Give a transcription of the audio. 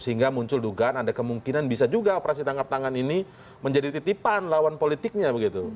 sehingga muncul dugaan ada kemungkinan bisa juga operasi tangkap tangan ini menjadi titipan lawan politiknya begitu